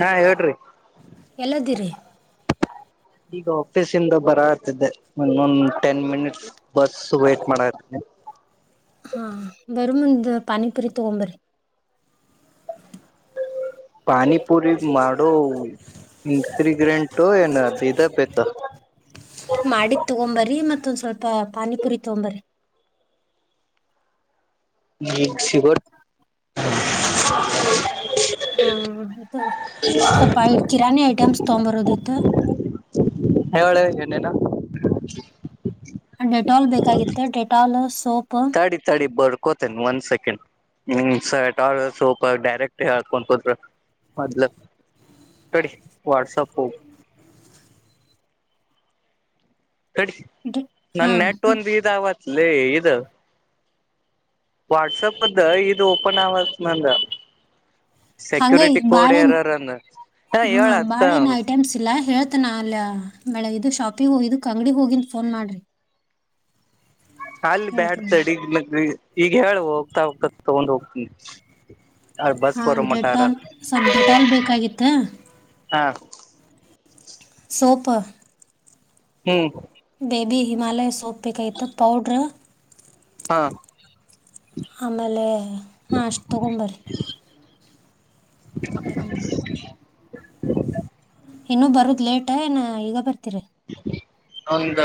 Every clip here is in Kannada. ಹಾ ಹೇಳ್ರಿ ಎಲ್ಲದಿರೆ ಈಗ ಆಫೀಸಂದ ಬರ ಆತಿದ್ದೆ ಇನ್ನೊಂದು ಟೆನ್ ಮಿನಿಟ್ ಬಸ್ ವೇಟ್ ಮಾಡಕತ್ತೀನಿ. ಹಾ ಬರ ಮುಂದ್ ಪಾನಿಪುರಿ ತಗೊಂಬರ್ರೀ ಪಾನಿ ಪುರಿ ಮಾಡಡು ಇನ್ಕ್ರಿಗ್ರೆಂಟ್ ಏನ್ ಹ ಪಿದ ಪೆತ? ಮಾಡಿದ ತಗೊಂಬರ್ರೀ ಮತ್ತೊಂದ್ ಸ್ವಲ್ಪ ಪಾನಿಪುರಿ ತೊಂಬರ್ರೀ ನಿ ಸಿಗೋ [unintelligible] ಹಾ ತಗೋ ಸ್ವಲ್ಪ ಕಿರಾಣಿ ಐಟಮ್ಸ್ ತಗೊಂಬರೋದಿತ್ತು. ಹೇಳೆ ಏನೇನು ಡೆಟಾಲ್ ಬೇಕಾಗಿತ್ತು ಡೆಟಾಲ್ ಸೋಪ್ ತಗೋತೇನ್ ಒನ್ ಸೆಕೆಂಡ್ ನಿನ್ ಡೇಟಾಲ್ ಸೋಪ್ ಡೈರೆಕ್ಟ್ ಹೇಳ್ಕೊಂಡ್ ಕುತ್ರ ಮೊದ್ಲ ತಡಿ ವಾಟ್ಸಪು ತಡಿ ಹಾ ನನ್ ನೆಟ್ ಒಂದ ಇದ ಆವ ಲೇ ಇದು ವಾಟ್ಸಪ್ದ್ ಇದು ಓಪನ್ ಆವಲ್ತ್ ನಂದು. ಹಂಗ ಈಗ್ ಬಾಳ ಎನ್ ಹಾ ಹ ಹೇಳ ಅತ್ತ ಬಾಳ ಎನ್ ಐಟಮ್ಸ್ ಇಲ್ಲ ಹೇಳ್ತನಾ ಅಲ್ಲ ಮಳ ಇದು ಶಾಪ್ ಪ್ಪಿ ನೀವ ಇದುಕ್ ಅಂಗಡಿ ಹೋಗಿಂದ್ ಫೋನ್ ಮಾಡ್ರಿ. ಅಲ್ಲಿ ಹೇಳ್ತೇನೆ ಬ್ಯಾಡ್ತತಡಿಗ್ರಿಲ್ಲ ರೀ ಈಗ ಹೇಳುವ ಹೋಗ್ತಾ ಹೋಗ್ತಾ ತಗೊಂಡ್ ಹೋಗ್ತೀನಿ. ಬಸ್ ಹಾಂ ಬರೋ ಮಟಾರ ಡೆಟಾಲ್ ಸ್ವಲ್ಪ ಡೆಟಾಲ್ ಬೇಕಾಗಿತ್ತ ಹಾ ಸೋಪು ಹ್ಮ್ ಬೇಬಿ ಹಿಮಾಲಯ ಸೋಪ್ ಪ್ ಬೇಕಾಗಿತ್ತ ಪೌಡ್ರು ಹಾ ಆಮೇಲೆ ಹ ಅಷ್ಟ್ ತಗೊಂಬರ್ರೀ [unintelligible] ಇನ್ನುೂ ಬರದ್ ಲೇಟ ಏನ್ ಈಗ ಬರ್ತೀರ? ಒಂದು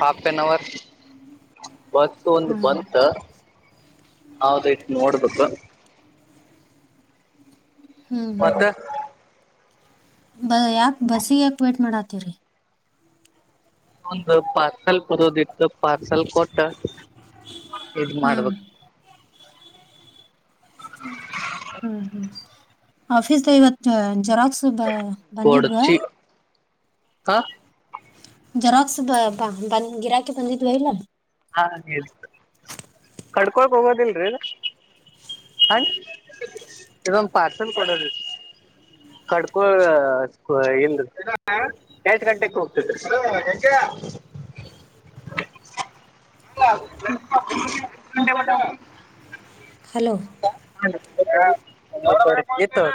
ಹಾಫ್ ಅನ್ ಅವರ್ ಬಸ ಒಂದ್ ಹಾಂ ಬಂತ ಹೌದಾಯ್ತು ನೋಡ್ಬೇಕು ಹ್ಮ್ ಹ್ಮ್ ಮತ್ತ ಬ ಯಾಕ ಬಸ್ಸಿಗೆ ಯಾಕ ವೇಟ್ ಮಾಡತ್ತವ್ರಿ ಒಂದು ಪಾಕಲ್ ಪದೋದಿತ್ತು ಪ [inaudible] ಸ್ವಲ್ಪ ಕೊಟ್ಟ ಇದ ಹಾಂ ಮಾಡ್ಬೇಕ ಆಫೀಸ್ ಇವತ್ತು ಜರಾಕ್ಸ್ ಬಂದಿದ್ವಾ ಹಾ [inaudible] ಜರಾಕ್ಸ್ ಗಿರಾಕಿ ಬಂಜತ್ ಬಹಲ್ಲ ಹಾ ಹೇಳು ಕಡ್ಕೊಕ್ ಹೋಗೋದಿಲ್ರರಿ ಹಂ ಇದೊಂದು ಪಾರ್ಸೆಲ್ ಕೊಡೋದ ಕಡ್ಕೋ ಎಿಂದ ಎಂಟ ಗಂಟೆಕ್ ಹೋಗ್ತಿದರು [inaudible] ಅಲ್ಲ [inaudible] ಎಂದಡ [inaudible] ಹಲೋ ಹ [unintelligible] ಇತ್ತು [inaudible]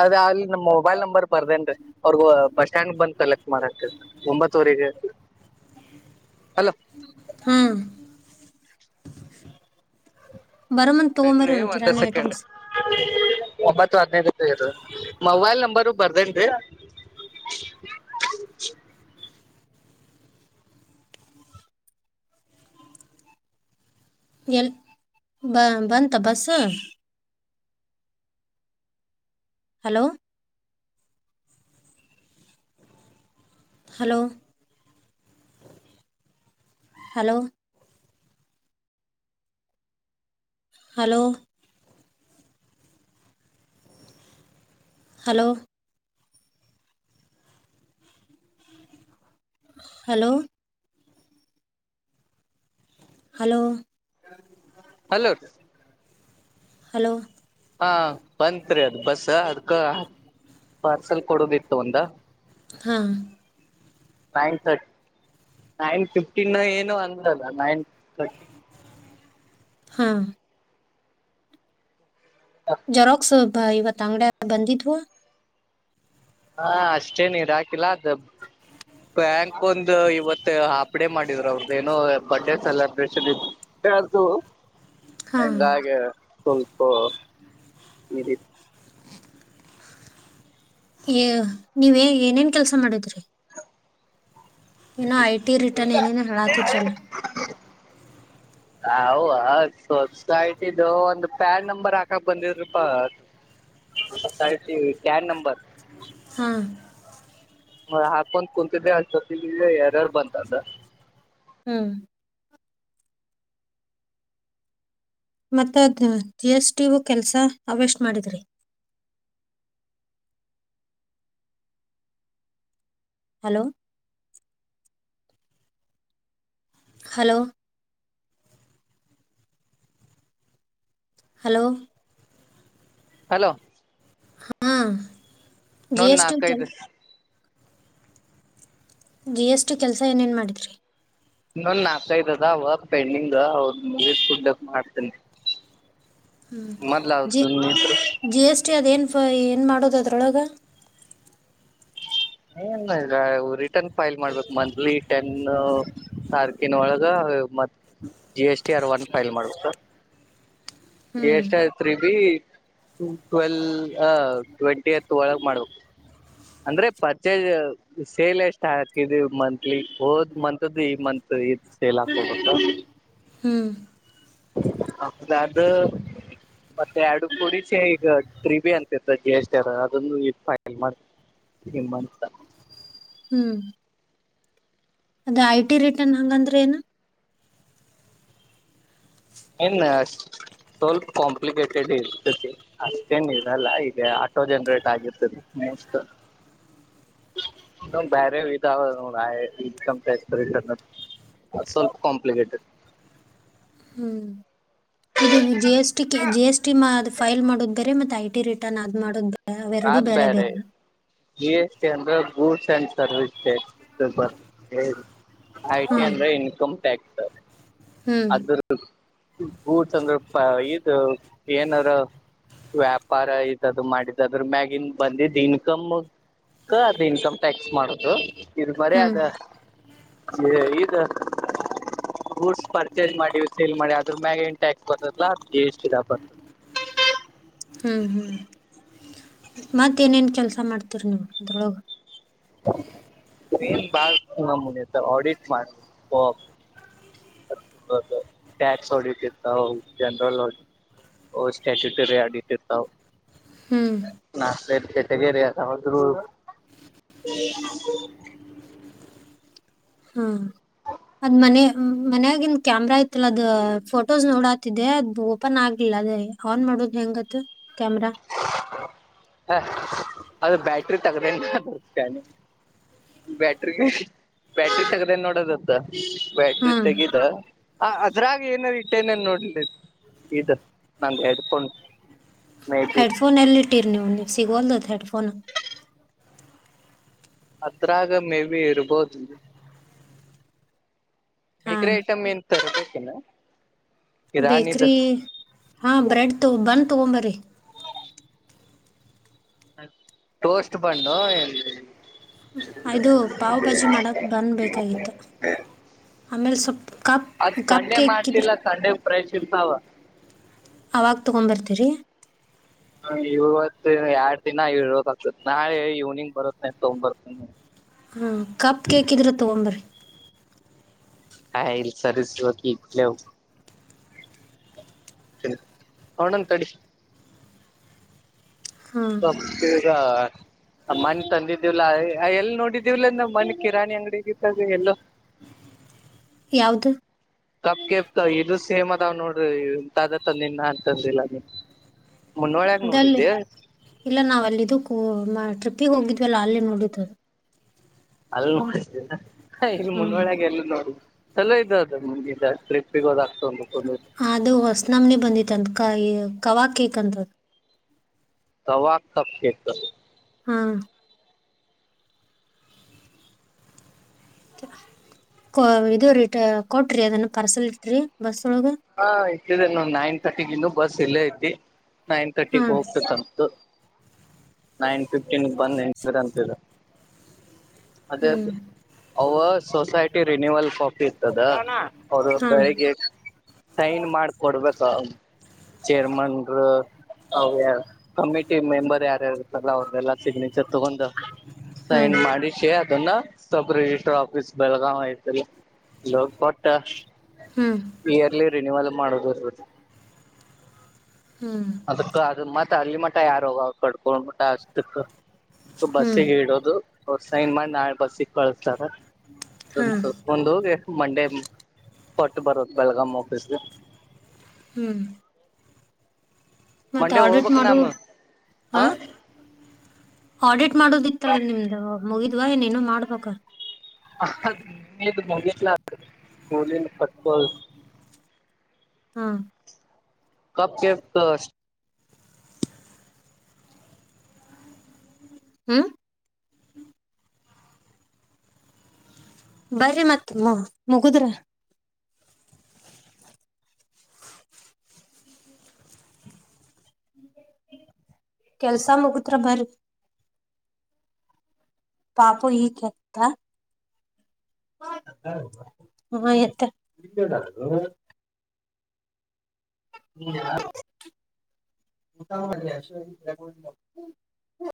ಅದೇ ಅಲ್ಲಿ ನಮ್ಮ [inaudible] ಮೊಬೈಲ್ ನಂಬರ್ ಬರ್ದೇನ್ ರೀ ಅವ್ರಗ [inaudible] ಬಸ್ ಸಟ್ಯಾಂಡ್ ಬಂದ್ ಕಲೆಕ್ಟ್ ಮಾಡಕ ಒಂಬತ್ತೂರಿಗೆ ಅಲ [inaudible] ಹಾ [unintelligible] ವರಮನ್ ತಗೋ ಮ್ರ ತಡ್ರಿ ಒನ ಒಂದೇ ಕರಾನಿ ಸೆಕೆಂಡ್ ಐಟಮಸ್ [inaudible] ಒಂಬತ್ತು ಹದ್ಿನೈದು ಇ ಮೊಬೈಲ್ ನಂಬರು ಬರ್ದೇನ್ ರೀ ಎಲ್ ಬ ಬಂತ bus [inaudible] hello hello hello hello hello hello hello hello [inaudible] hello ಹಾ ಬಂತ್ರಿ ಅದ್ ಬಸ್ ಅದ್ಕ ಪಾರ್ಸಲ್ ಕೊಡೋದಿತ್ತು ಒಂದ. ಹಾ ನೈನ್ ತರ್ಿ ನೈನ್ ಫಿಫ್ಟಿನ ಏನು ಅಂದಲ್ಲ ನೈನ್ ತರ್ಟಿ [inaudible] ಹಾ ಜರಕ್ಸಬ್ [inaudible] ಬಾ ಇವತ್ ಅಂಗಡ ಬಂದಿದ್ವ ಹಾ ಅಷ್ಟೇ ನೀರ್ ಹಾಕಿಲ್ಲ ಅದು ಬ್ಯಾಂಕ್ ಒಂದು ಇವತ್ತು ಹ [inaudible] ಡೆ ಮಾಡಿದ್ರ ಅವ್ರ್ದ ಏನೋ ಬರ್ಡೇ ಸೆಲೆಬ್ರೇಷನ್ ಇ ಎೆ ಹಾ [inaudible] [unintelligible] ಸಂಪ [unintelligible] ನೀವೇ ಏನೇನ್ ಕೆಲ್ಸ ಮಾಡಿದ್ರಿ. ಏನೋ ಐ ಟಿ ರಿಟರ್ನ್ ಏನೇನ ಹಾತಿದ್ರಲ್ಲ. ಹ ಸೊಸೈಟಿದು ಒಂದು ಪ್ಯಾನ್ ನಂಬರ್ ಹಾಕಕ್ ಬಂದಿದ್ರಿಪಾಸೈಟಿ ಪ್ಯಾನ್ ನಂಬರ್. ಹಾ ನ ಹಾಕೊಂತ ಕುೂಂತಿದ್ದೆ ಅಂದ್ಸತಿ ಯಾರಾರ್ ಬಂತ ಅದ್. ಹ್ಮ್ ಮತ್ತ ಅದ್ ಜಿ ಎಸ್ ಟಿು ಕೆಲ್ಸ ಅವ್ಯ ಎಷ್ಟ್ ಮಾಡಿದ್ರಿ. ಹಲೋ ಹಲೋ ಹಲೋ ಹಲೋ ಹಾ ನೋ ಜಿ ಎಸ್ ನಾ ಟಿ ಕೆಲ್ ಕೈದು ಜಿ ಎಸ್ ಟಿ ಕೆಲ್ಸ ಏನೇನ್ ಮಾಡಿದ್ರಿ. ಇ ನಾಲ್ಕೈದ ಅದ ಅವ ಪೆಂಡಿಂಗ್ ಅವ ನೀರ್ ಕುಡ್ಕ್ ಮಾಡ್ತನಿ. ಹ್ಮ ಜ ಜಿ ಎಸ್ ಟಿ ಅದೇನ್. ಅ ಏನು ಮಾಡೋದು ಅದ್ರೊಳಗ. ಏನ್ ಇದ್ರ ರಿಟರ್ನ್ ಫೈಲ್ ಮಾಡ್ಬೇಕು ಮಂತ್ಲಿ ಟೆನ್ ತಾರಕಿನ ಒಳಗ ಮತ್ ಜಿ ಎಸ್ ಚೇರ್ ಒನ್ ಫೈಲ್ ಮಾಡಬೇಕ ಸರ್. ಹ್ಞೂ ಎಷ್ಟಯತ್ರಿ ಬಿ. ಟ್ವೆಲ್ ಅ ಟ್ವೆಂಟಿ ಎತ್ ಒಳಗ್ ಮಾಡ್ಬೇಕು. ಅಂದ್ರೆ ಪರ್ಚೇಜ ಸೇಲ್ ಎಷ್ಟ ಹಾಕಿದ ಮಂತ್ಲಿ ಹೋದ ಮಂತ್್ದು ಈ ಮಂತ್ ಇದ ಸೇಲ್ ಹಾಕೋಬೇಕ. ಹ್ಮ್ ಅದು ಮತ್ತೆ ಅರಡು ಕುಡಚೆ ಈಗ ಟ್ರಿಬಿ ಅಂತತ್ತ ಜಿ ಎಸ್ ಟಿ ಅದನ್ನು ಫೈಲ್. ನಿಮ್ಮನ್ತ ಹ್ಮ್ ಅದ ಐ ಟಿ ರಿಟರ್ನ್ ಹಂಗಂದ್ರೆ ಏನು. ಏನ್ ಸ್ವಲ್ಪ ಕಾಂಪ್ಲಿಕೇಟೆಡ್ ಇರ್ತತಿ ಅಷ್ಟೇನ್ ಇರಲ್ಲ ಈಗ ಆಟೋ ಜನ್ರೇಟ್ ಆಗಿರ್ತದೆ ಮೋಸ್ಟ್ ಬೇರೆ ಇದೋ ಇ್ಟ್ಯಾರಿ ಸ್ವಲ್ಪ ಕಾಂಪ್ಲಿಕಟಡ್. ಹ್ಮ್ ಇದು ಜಿಎಸ್ಟಿ ಜಿಎಸ್ಟಿ ಮಾ ಫೈಲ್ ಮಾಡದ ಬೇ ಮತ್ತೆ ಐಟಿ ರಿಟರ್ನ್ ಅ್ ಮಾಡದೇ ಆದ ಬೇರೆ ಜಿ ಎಸ್ ಟಿ ಅಂದ್ರ ಗೊಟೆಂಟ್. ಸರ್ವಿಸ್ ಬರ್ ಹೇಳಿ ಆಐತಟಿ ಹ್ಮ್ ಅಂದ್ರೆ ಇನ್ಕಮ್ ಟ್ಯಾಕ್ಸ್ ಹ್ಮ್ ಅದ [unintelligible] ಗೂಡ್ಸ್ ಅಂದ್ರೆ ಇದು ಏನಾರ್ ವ್ಯಾಪಾರ ಇದದು ಮಾಡಿದ ಅದ್ರ ಮ್ಯಾಗಿನ್ ಬಂದಿದ್ದ್ ಇನ್ಕಮ್ ಅದು ಇನ್ಕಮ್ ಟ್ಯಾಕ್ಸ್ ಮಾಡುದು. ಇ ಮರೇ ಹ್ಮ್ ಅದ. ಇದ ಗೂಡ್ಸ್ಪರ್. ಸೇಲ್ ಮಾಡಿ ಅದ್ರ ಮ್ಯಾಗನ್ ಟ್ಯಾಕ್ಸ್ ಬರ್ತದಲ್ಲ ಜಿ ಎಸ್ಟ ಬರ್ತದ ಹ್ಮ್ ಹ್ಮ್ ಮತ್ತೇನೇನ್ ಕೆಲ್ಸ ಮಾಡ್ತೀರಿ ನೀವು ಅದ್ರೊಳಗೆ ಬಾ ಮು ಆಡಿಟ್ ಮಾಡ ಒಫ್ ಟ್ಯಾಕ್ಸ್ ಆಡಿಟ್ ಇರ್ತ ಜನರಲ್ ಸ್ಟ್ಯಾಚುಟರಿ ಆಡಿಟ್ ಇರ್ತಾವ ಹ್ಮ್ ಕೆತೆಗರಿ ಅಲ್ಲ ಹದ ಹಾ ಅದ್ ಮನ ಮನ್ಯಾಗಿನ್ ಕ್ಯಾಮ್ರಾ ಇತ್ತಲ್ಲ ಅದ ಫೋಟೋಸ್ ನೋಡಾತಿದ್ದೆ ಅದು ಓಪನ್ ಆಗ್ಲಿಲ್ಲ ಅದ ಆನ್ ಮಾಡೋದು ಹೆಂಗತ್ತು ಕ್ಯಾಮ್ರಾ ಹ ಅದು ಬ್ಯಾಟ್ರಿ ತಗದೇ ನೋಡ ಬ್ಯಾಟ್ರಿ ಬ್ಯಾಟ್ರಿ ತಗದೇ ನೋಡದತ್ತ ಬ್ಯಾಟ್ರಿ ಹ್ಮ್ ತೆಗದಾ ಹ ಅದ್ರಾಗ ಏನ ಇಟ್ಟ ನನ್ ನೋಡ್ಲ ಈತ ನಂದು ಹೆಡ್ಫೋನ್ ಮೇ ಬಿ ಹೆಡ್ಫೋನ್ ಎಲ್ಲಿ ಕೊಟ್ಟಿರ್ ನೀವು ನೀವು ಸಿಗುವಲ್ ಹೆಡ್ಫೋನ್ ಅದ್ರಾಗ ಮೇ ಬಿ ಇರ್ಬೋದು ಹಾ ಬೇಕ್ರ ಐಟಮ್ ಎಂತಾರೆ ಬೇಕೇನ ಬೇಕ್ರಿ ಹಾ ಬ್ರೆಡ್ ತ ಬಂದ ತಗೊಂಬರಿ ಟೋಸ್ಟ್ ಪಣ ಇಐದು ಪಾವ್ಭಾಜಿ ಮಾಡಕ್ಕೆ ಬನ್ ಬೇಕಾಗಿತ್ತು ಆಮೇಲೆ ಸ್ವಲ್ಪ ಕಪ್ ಕಪ್ ಕೇಕ್ದ್ರ ಪ್ರೇಕ್ಷಿತಾವ ಅವಾಗ ತಗೊಬರ್ತೀರಿ ಹ ಇವತ್ತು ಎರಡ್ ದಿನ ಇತ್ ಆಗ್ತತ್ ನಾಳೆ ಇವ್ನಿಂಗ್ ಬರತ್ನ ತೊಗಂಬ್ ಬರ್ ಹ್ಮ ಕಪ್ ಕೇಕ್ ಇದ್ರ ತಗೊಂಬರಿ. ಹ ಇ ಸರ್ಸಕಿ ಇತ್ಲ ಅವನನ ತಡಿ. ಹಾಂ ಈಗ ಮನೆ ತಂದಿದ್ದಿವವಲ ಎಲ್ಲಿ ನೋಡಿದಿವವಲ್ಲಂದ ಮನೆ ಕಿರಾಣಿ ಅಂಗಡಿಗದ ಎಲ್ಲ ಯಾವದು ಕಪ್ ಕೆಪ್ ಇದು ಸೇಮ್ ಅದಾವ್ ನೋಡ್ರಿ ಇ ತಾದತ ನಿನ್ನ ಅಂತಂದಿಲ್ಲ ಮುನ್ನೋಳ್ಯಾಗ ಅದಲ್ಲಿ ನೋಡಿದ್ದೆ ಇಲ್ಲ ನಾವ ಅಲ್ಲಿದಕ್ಕೂ ಟ್ರಿಪಿಗೆ ಹೋಗಿದ್ವಲ್ಲ ಅಲ್ಲಿ ನೋಡತದು ಅಲ್ ಹ ಇಲ್ಲಿ ಹಾಂ ಮುನ್ಗ ಎಲ್ಲ ನೋಡಿ ಚಲೋ ಇದು ಅದುಗ ಟ್ರಿಪ್ಪಿಗೆ ಹೋದಗ ಅದು ಹೊಸ ನಮ್ನೆ ಬಂದಿತ್ ಅಂತ. ಕಯ ಖವ ಕೇಕ್ ಅಂತ. ತವಾ ತಪ್ ಕೇಕ್. ಹಾ ಕೋವ ಇದು ರಿ ಕೋಟ್ರಿ ಅದನ್ ಕರಸದಿತ್ರಿ ಬಸ ಹಾ ಇದನ್ನು ನೈನ್ ಥರ್ಟಿಗ ಇನ್ನೂ. ಬಸ್ ಇಲ್ಲೆ ಐತಿ. ನೈನ್ ಥರ್ಟಿ ಹಾಂ ಫೋರ್ ನೈನ್ ಫಿಫ್ಟೀನ್ ಬಂದ ನಿಂದ್ರ ಅಂತಿದ. ಅದೆ ಹ್ಞೂ ಸೊಸೈಟಿ ರಿನ್ಯೂವಲ್ ಕಾಪಿ. ತ್ತದ ಅವರು ಹಾಂ ಬೆಳಗ್ಗೆ. ಸೈನ್ ಮಾಡ ಕೊಡ್ಬೇಕ ಚೆರ್ಮ್ನರ ಅವ್ಯಾ ಕಮಿಟಿ ಮೆಂಬರ್ ಯಾರ್ಯಾರ ಇರ್ತರಲ್ಲಾ ಅವರ್ದೆಲ್ಲ ಸಿಗ್ನೇಚರ. ತಗೊಂಡ ಹ್ಞೂ ಸೈನ್ ಮಾಡಿ ಶೇ ಅದನ್ನ ಸಪರೇಟ ಆಫೀಸ್ ಬೆಳಗಾವ ಐತಲ್ಲ ಅಲ್ಲ ಹೋಗ್ ಕೊಟ್ಟ. ಹ್ಞೂ ರಿ ನೀವೆಲ್ಲ ಮಾಡೋದು ಬರ್ಬದ [unintelligible] ಹ್ಞೂ ಅದಕ್ಕ ಅದ ಮತ್ತ. ಅಲ್ಲಿಮಠ ಯಾರೋಗವರ ಅಕಡದು. ಗೌರ್ಮೆಂಟ್ ಅಸ್ತಿಕ್ ಹ್ಞೂ ಬಸ್ಸಿಗ ಇಡೋದು. ಅವರ್ ಸೈನ್ ಮಾಡಿ ನಾಳೆ ಬಸ್ಸಿಗ ಕಳಸ್ತಾರ. ಹಾಂ ಅದಂತ್ ಒಂದ ಹೋಗಿ. ಮಂಡೆ ಕೊಟ್ಟ ಬರದ ಬೆಳಗಮ್ ಆಫೀಸಗ. ಹ್ಮ್ ಮತ್ತೆ ಮಂಡೆ ಆಡಿಟ್ ಹೋಗ್ಬೇಕ್ ಮಾಡು ನಮ್ ಹಾ. ಹ ಆಡಿಟ್ ಮಾಡೋದಿತ್ತಲ್ಲ ನಿಮ್ದು ಮೂಗಿತ್ ನೀನು ಮಾಡ್ಬೇಕ. ನಿಂದ ಮುಗಿತ್ಲ ಸ್ಕೂಲಿಂದ ಕಟ್ಟೋದು. ಹಾ ಕಪ್ ಕೇಕ್ಸ್ ಹ್ಮ ಬರ್ರಿ ಮತ್ತಮ್ಮ ಮುಗುದ್ರ. ಕೆಲ್ಸ ಮುಗದ್ರ ಬರಿ. ಪಾಪು ಈ ಗೆದ್ದ. ಅವ ಎದ್ದ. [unintelligible]